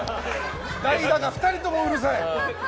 代打が２人ともうるさい。